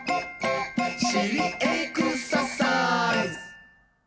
「しりエクササイズ！」